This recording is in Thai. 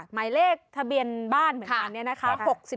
หมายเลขทะเบียนบ้านอย่างกัน